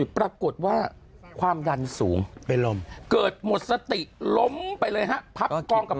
ตัวอยู่ปรากฏว่าความยันสูงไปล้มเกิดหมดสติล้มไปเลยฮะพับกล้องกับ